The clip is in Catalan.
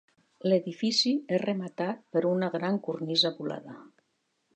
L'edifici és rematat per una gran cornisa volada.